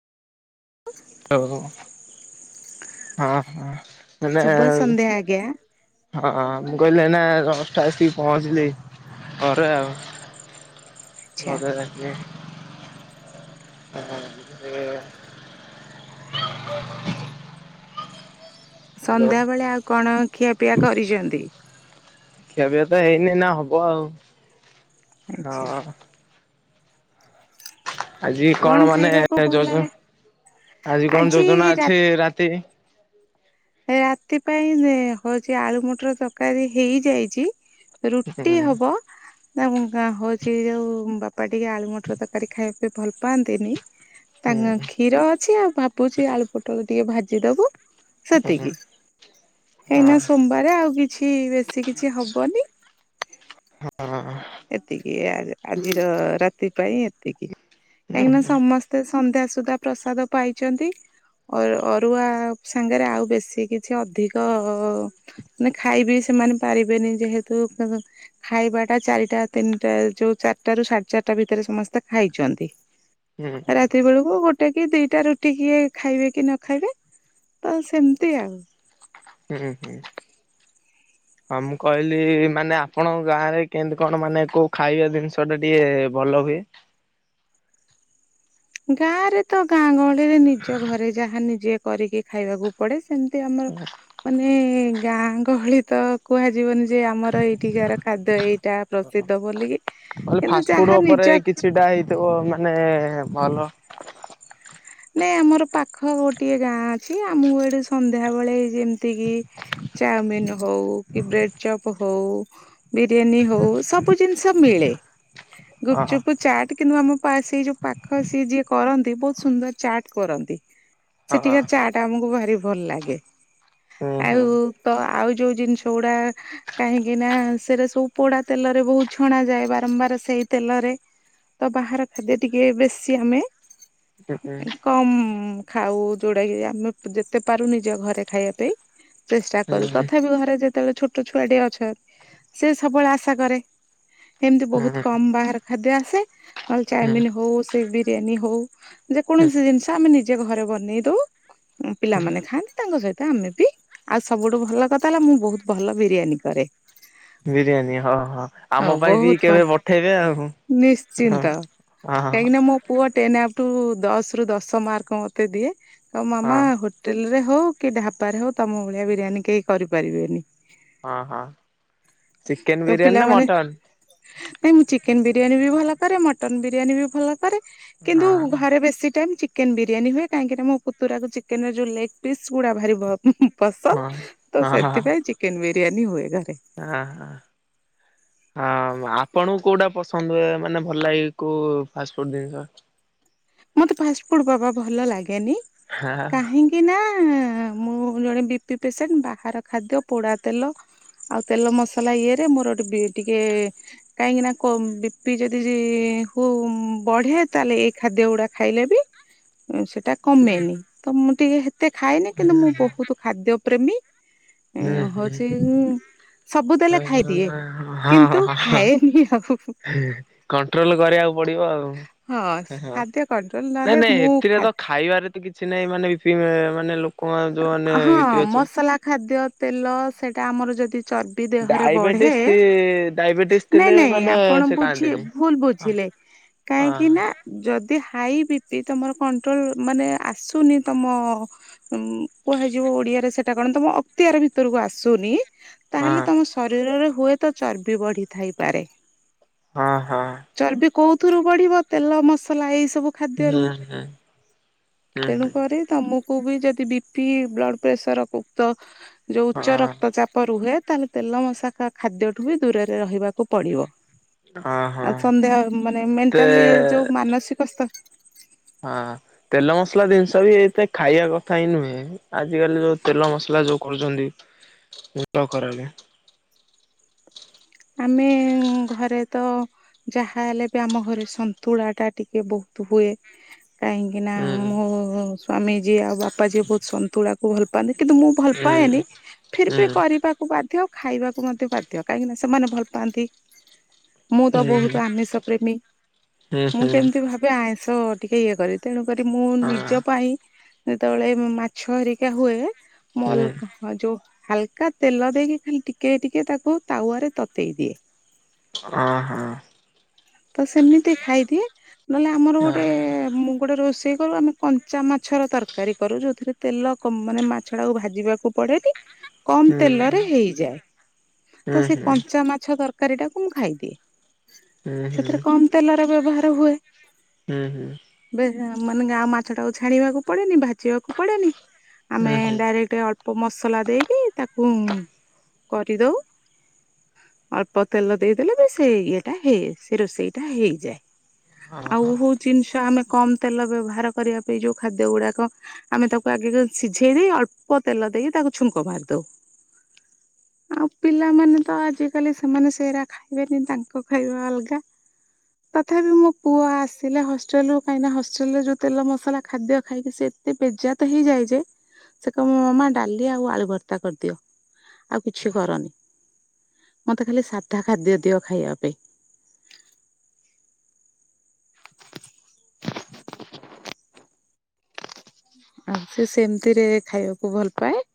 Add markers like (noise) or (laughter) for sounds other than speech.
ଓ ହଁ ହଁ ମାନେ ଶୁଭ ସନ୍ଧ୍ୟା ଆଜ୍ଞା ହଁ ମୁଁ କହିଲି ଏଇନା ଜଷ୍ଟ ଆସିକି ପହଞ୍ଚିଲି ଘରେ ଆଉ। ଆଚ୍ଛା ମତେ ଦେଖି ହଁ। (inaudible) ହ୍ୟାଲୋ ସନ୍ଧ୍ୟା ବେଳେ ଆଉ କଣ ଖିଆପିଆ କରିଚନ୍ତି। ଖିଆ ପିଆ ତ ହେଇନି ଏଇନା ହବ ଆଉ ଆଚ୍ଛା ହଁ। ଆଜି କଣ ମାନେ ଖାଇବାକୁ ଭଲ ଯୋଜ ଲା ଆଜି କଣ ଯୋଜନା ଅଛି ରାତି। ରାତି ପାଇଁ ହଉଛି ଆଳୁ ମଟର ତରକାରୀ ହେଇଯାଇଚି। ହୁଁ ରୁଟି ହବ। ନା ମୁଁ କା ହଉଛି ଯୋଉ ବାପା ଟିକେ ଆଳୁ ମଟର ତରକାରୀ ଖାଇବା ପାଇଁ ଭଲ ପାଆନ୍ତିନି। ହୁଁ ତାଙ୍କ ହୁଁ। କ୍ଷୀର ଅଛି ଆଉ ଭାବୁଚି ଆଳୁ ପୋଟଳ ଟିକେ ଭାଜିଦବୁ। ହଁ ହଁ ସେତିକି କାହିଁକିନା ସୋମବାରେ ଆଉ କିଛି ବେଶୀ କିଛି ହବନି। ଏତିକି ଆ ଆଜିର ରାତି ପାଇଁ ଏତିକି ହୁଁ ହୁଁ କାହିଁକିନା ସମସ୍ ସେ ସନ୍ଧ୍ୟା ସୁଦ୍ଧା ପ୍ରସାଦ ପାଇଚନ୍ତି। ଅର ଅରୁଆ ସାଙ୍ଗରେ ଆଉ ବେଶୀ କିଛି ଅଧିକ ମାନେ ଖାଇବି ସେମାନେ ପାରିବେନି ଯେହେତୁ ଖାଇବା ଟା ଚାରି ଟା ତିନିଟା ଯୋଉ ଚାରିଟା ରୁ ସାଢେ ଚାରିଟା ଭିତରେ ସମସ୍ତେ ଖାଇଚନ୍ତି। ହୁଁ। ରାତି ବେଳକୁ ଗୋଟେ କି ଦିଟା ରୁଟି କିଏ ଖାଇବେ କି ନ ଖାଇବେ ତ ସେମିତି ଆଉ। ହୁଁ ହୁଁ। ହଁ ମୁଁ କହିଲି ମାନେ ଆପଣଙ୍କ ଗାଁ ରେ କେମତି କଣ ମାନେ କୋଉ ଖାଇବା ଜିନିଷ ଟା ଟିକେ ଭଲ ହୁଏ। ଗାଁ ରେ ତ ଗାଁ ଗହଳିରେ ନିଜ ଘରେ ଯାହା ନିଜେ କରିକି ଖାଇବାକୁ ପଡ଼େ। ସେମିତି ଆମର ମାନେ ଗାଁ ଗହଳି ତ କୁହାଯିବନି ଯେ ଆମର ଏଇଠିକାର ଖାଦ୍ୟ ଏଇଟା ପ୍ରସିଦ୍ଧ ବୋଲିି। ମୁଁ କହିଲି ଫାଷ୍ଟ ଫୁଡ ଉପରେ କିଛିଟା ହେଇଥିବ ମାନେ ଭଲ। ନାଇଁ ଆମର ପାଖ ଗୋଟିଏ ଗାଁ ଅଛି ଆମକୁ ଏଠି ସନ୍ଧ୍ୟାବେଳେ ଯେମିତି କିି ଚାଉମିିନ ହଉ କି ବ୍ରେଡ଼ ଚପ ହଉ। ବିରିୟାନୀ ହଉ ସବୁ ଜିନିଷ ମିଳେ। ହଁ ଗୁପଚୁପ ଚାଟ୍ କିନ୍ତୁ ଆମ ସେଇ ଯୋଉ ପାଖ ସିଏ ଯିଏ କରନ୍ତି ବହୁତ ସୁନ୍ଦର। ଚାଟ କରନ୍ତି ହଁ। ସେଠିକାର ଚାଟ ଆମକୁ ଭାରି ଭଲ ଲାଗେ। ହୁଁ ହୁଁ ହୁଁ ଆଉ ତ ଆଉ ଯୋଉ ଜିନିଷ ଗୁଡା କାହିଁକି ନା ସେଇରା ସବୁ ପୋଡା ତେଲରେ ବହୁତ ଛଣା ଯାଏ ବାରମ୍ବାର ସେଇ ତେଲରେ। ତ ବାହାର ଖାଦ୍ୟ ଟିକେ ବେଶି ଆମେ (unintelligible) କମ ଖାଉ ଯଉଟାକ ଆମେ ଯେତେ ପାରୁ ନିଜ ଘରେ ଖାଇବା ପାଇଁ। ଚେଷ୍ଟା କରୁ ତଥାପି ଘରେ ଯେତେବେଳେ ଛୋଟ ଛୁଆଟିଏ ଅଛନ୍ତି ସେ ସବୁବେଳେ ଆଶା କରେ। ଏମିତି ହୁଁ ବହୁତ ହୁଁ କମ ବାହାର ଖାଦ୍ୟ ଆସେ। ନହେଲେ, ଚାଉମିିନ ହଉ ସେ ବିରିୟାନୀ ହଉ ହୁଁ। ଯେକୌଣସି ଜିନିଷ ଆମେ ନିଜେ ଘରେ ବନେଇ ଦଉ। ପିଲାମାନେ ଖାନ୍ତି। ତାଙ୍କ ସହିତ ଆମେ ବି ଆଉ ସବୁଠୁ ଭଲ କଥା ହେଲା ମୁଁ ବହୁତ ଭଲ ବିରିୟାନୀ କରେ। ବିରିୟାନୀ ହଁ ହଁ ଆମ ପାଇଁ ବି ବହୁତ ଭଲ କେବେ ପଠେଇବେ ଆଉ। ହଁ ନିଶ୍ଚିନ୍ତ ହଁ କାହିଁକିନା ପୁଅ ଟେନ ଆପ୍ ଟୁ ଦଶ ରୁ ଦଶ ମାର୍କ ମୋତେ ଦିଏ। କ ହଁ ମାମା ହୋଟେଲ ରେ ହଉ କି ଢାବାରେ ହଉ ତମ ଭଳିଆ ବିରିୟାନୀ କେହି କରିପାରିବେନି। ହଁ ହଁ ତ ଚିକେନ ବିରିୟାନୀ ନା ପିଲାମାନେ ମଟନ୍? ନାଇଁ ମୁଁ ଚିକେନ ବିରିୟାନୀ ବି ଭଲ କରେ ମଟନ ବିରିୟାନୀ ବି ଭଲ କରେ ହଁ କିନ୍ତୁ ଘରେ ବେଶୀ ଚିକେନ ବିରିୟାନୀ ହୁଏ କାହିଁକିନା ମୋ ପୁୁତୁରାକୁ ଚିକେନ ର ଯୋ ଲେଗ ପିସ୍ ଗୁଡା ବାରିବ ପସନ୍ଦ ହଁ ତ ହଁ ହଁ ହଁ ସେଥିପାଇଁ ଚିକେନ ବିରିୟାନୀ ହୁଏ ଘରେ। ହଁ ହ। ହଁ ଆପଣଙ୍କୁ କୋଉଟା ପସନ୍ଦ ହୁଏ ମାନେ ଭଲ ଲାଗେ କୋଉ ଫାଷ୍ଟ ଫୁଡ ଜିନିଷ। ମତେ ଫାଷ୍ଟ ଫୁଡ ବାବା ଭଲ ଲାଗେନି ହଁ କାହିଁକି ନା ମୁଁ ଜଣେ ବିପି ପେସେଣ୍ଟ ବାହାର ଖାଦ୍ୟ ପୋଡ଼ା ତେଲ ଆଉ ତେଲ ମସଲା ଇଏରେ ମୋର ଗୋଟେ ଟିକେ କାହିଁକି ନା ବି ପି ଯଦି ହଉ ବଢିଆ ତାହେଲେ ଏଇ ଖାଦ୍ୟ ଗୁଡା ଖାଇଲେ ବି ସେଟା କମେଇନି ତ ମୁଁ ଟିକେ ମତେ ଖାଇନି କିନ୍ତୁ ମୁଁ ବହୁତ ଖାଦ୍ୟ ପ୍ରେମୀ। ହୁଁ ହଉଛି ହୁଁ। ସବୁ ଦେଲେ ହ ହ (unintelligible) ଖାଇଦିଏ କିନ୍ତୁ ଖାଏନି ଆଉ କଣ୍ଟ୍ରୋଲ କରିବାକୁ ପଡିବ ଆଉ। ହଁ ଖାଦ୍ୟ କଣ୍ଟ୍ରୋଲ ନାଇଁ ନହେଲେ ନାଇଁ ମୁଁ ଏଥିରେ ଖା ତ ଖାଇବାରେ ତ କିଛି ନାଇଁ ମାନେ ମାନେ କ ଯୋଉ ମାନେ ହଁ ବି ପି ଅଛି। ମସଲା ଖାଦ୍ୟ ତେଲ ସେଇଟା ଆମର ଯଦି ଚ ବି ଦେହରେ ବଢେ ଡାଇବେଟିସ୍ ଡାଇବେଟିସ୍ ନାଇଁ ଥିଲେ ନାଇଁ ମାନେ ଆପଣ ସେ ବୁଝି ଖାଆନ୍ତିନି। ଭୁଲ ହଁ ବୁଝିଲେ। କାହିଁକି ନା ଯଦି ହାଇ ବି ପି ତମର କଣ୍ଟ୍ରୋଲ ମାନେ ଆସୁନି ତମ କୁହାଯିବ ଓଡିଆରେ ସେଟା କଣ ତମ ଅକ୍ତିଆର ଭିତରକୁ ଆସୁନି ହଁ ତାହେଲେ ତମ ଶରୀରରେ ହୁଏ ତ ଚର୍ବି ବଢି ଥାଇପାରେ। ହଁ ହଁ ଚର୍ବି କୋଉଥିରୁ ବଢିବ ତେଲ ମସଲା ଏଇ ସବୁ ଖାଦ୍ୟରୁ। ହୁଁ ହୁଁ ହୁଁ ହୁଁ। ତେଣୁକରି ତମକୁ ବି ଯଦି ବି ପି ବ୍ଲଡ଼ ପ୍ରେସର ଉକ୍ତ ଯଉଁ ଉଚ୍ଚ ହଁ ରକ୍ତଚାପ ରୁହେ। ତାହେଲେ ତେଲ ମଶାକା ଖାଦ୍ୟଠୁ ବି ଦୂରରେ ରହିବାକୁ ପଡିବ। ହଁ ହଁ ଆଉ ସନ୍ଦେହ ମାନେ ତେ ମେଣ୍ଟାଲି ଯୋଉ ମାନସିକ ହଁ ତେଲ ମସଲା ଜିନିଷ ବି ଏଇଥି ପାଇଁ ଖାଇବା କଥା ହିଁ ନୁହେଁ। ଆଜିକାଲି ଯୋଉ ତେଲ ମସଲା ଯୋଉ କରୁଛନ୍ତି ମୁଣ୍ଡ ଖରାପ। ଆମେ ଘରେ ତ ଯାହାହେଲେ ବି ଆମ ଘରେ ସନ୍ତୁଳାଟା ଟିକେ ବହୁତ ହୁଏ କାହିଁକି କିନା ହୁଁ ମୋ ସ୍ୱାମୀ ଯିଏ ଆଉ ବାପା ଯିଏ ବହୁତ ସନ୍ତୁଳା ଭଲ ପାଆନ୍ତି କିନ୍ତୁ ମୁଁ ଭଲ ହୁଁ ପାଏନି। ଫିର ହୁଁ ବି ହୁଁ କରିବା କୁ ବାଧ୍ୟ ଆଉ ଖାଇବାକୁ ମଧ୍ୟ ବାଧ୍ୟ କାହିଁକିନା ସେମାନେ ଭଲ ପାଆନ୍ତି। ମୁଁ ତ ବହୁତ ହୁଁ ଆମିଷ ପ୍ରେମୀ ହୁଁ ମୁଁ ହୁଁ। କେମିତି ଭାବି ଏବେ ଆଇଁଷ ଟିକେ ଇଏ କରେ। ତେଣୁକରି ମୁଁ ନିଜ ହଁ ପାଇଁ ଯେତେବେଳେ ମାଛ ହରିକା ହୁଏ। ମୁଁ ହୁଁ ଅଲଗ ହଁ ଯୋଉ ହାଲକା ତେଲ ଦେଇକି ଖାଲି ଟିକେ ଟିକେ ତାକୁ ତାୱାରେ ତତେଇ ଦିଏ। ଅଁ ହଁ। ତ ସେମିତି ଖାଇଦିଏ ନହେଲେ ଆମର ଗୋଟେ ହଁ ମୁ ଗୋଟେ ରୋଷେଇ କରୁ ଆମେ କଞ୍ଚା ମାଛର ତରକାରୀ କରୁ। ଯେଉଁଥିରେ ତେଲ କମ ମାନେ ମାଛଟାକୁ ଭାଜିବାକୁ ପଡ଼େନି। (unintelligible) କମ ତେଲରେ ହୁଁ ହେଇଯାଏ। ତ ସେ ହୁଁ କଞ୍ଚା ମାଛ ତରକାରୀଟାକୁ ମୁଁ ଖାଇଦିଏ। ହୁଁ ହୁଁ ହୁଁ ସେଥିରେ କମ ତେଲର ବ୍ୟବହାର ହୁଏ। ହୁଁ ହୁଁ ବ ମାନେ ଗାଁ ମାଛଟାକୁ ଛାଣିବାକୁ ପଡେନି ଭାଜିବାକୁ ପଡେନି ଆମେ ହୁଁ ଡାଇରେକ୍ଟ ଅଳ୍ ପ ମସଲା ଦେଇକି ତାକୁ କରିଦଉ। ଅଳ୍ପ ତେଲ ଦେଇଦେଲେ ବି ସେ ଇଏଟା ହେଇ ସେ ରୋଷେଇଟା ହେଇଯାଏ। ହଁ ଆଉ ହଁ ହଉ ଜିନିଷ ଆମେ କମ ତେଲ ବ୍ୟବହାର କରିବା ପାଇଁ ଯୋଉ ଖାଦ୍ୟଗୁଡାକ ଆମେ ତାକୁ ଆଗେଗ ସିଝେଇ ଦେଇ ଅଳ୍ପ ତେଲ ଦେଇକି ତାକୁ ଛୁଙ୍କ ମାରିଦଉ। ଆଉ ପିଲାମାନେ ତ ଆଜିକାଲି ସେମାନେ ସେରା ଖାଇବେନି। ତାଙ୍କ ଖାଇବା ଅଲଗା (inaudible) ତଥାପି ମୋ ପୁଅ ଆସିଲେ ହଷ୍ଟେଲରୁ କାହିଁକିନା ହଷ୍ଟେଲରେ ଯୋଉ ତେଲ ମସଲା ଖାଦ୍ୟ ଖାଇକି ସେ ଏ ବେଜାତ ହେଇଯାଇଛି। ସେତେବେଳେ ମାମା ଡାଲି ଆଉ ଆଳୁ ଭର୍ତ୍ତା କରିଦିଅ। ଆଉ କିଛି କରନି, ମତେ ଖାଲି ସାଧା ଖାଦ୍ୟ ଦିଅ ଖାଇବା ପାଇଁ। (inaudible) ଆଉ ସେ ସେମିତିରେ ଖାଇବାକୁ ଭଲ ପାଏ।